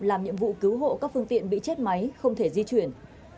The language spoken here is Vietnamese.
làm nhiệm vụ cứu hộ các phương tiện bị chết máy không thể di chuyển